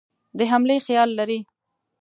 د حملې خیال لري.